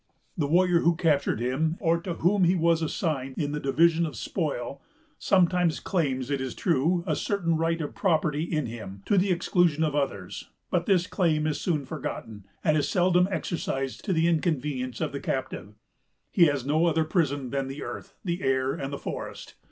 The warrior who captured him, or to whom he was assigned in the division of the spoil, sometimes claims, it is true, a certain right of property in him, to the exclusion of others; but this claim is soon forgotten, and is seldom exercised to the inconvenience of the captive, who has no other prison than the earth, the air, and the forest.